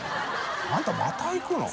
あんたまた行くの？」